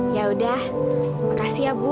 yaudah makasih ya bu